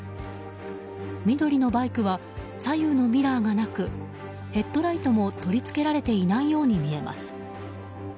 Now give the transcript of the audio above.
緑のバイクは左右のミラーがなくヘッドライトも取り付けられていないように見えます。